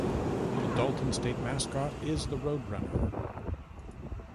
The Dalton State mascot is the roadrunner.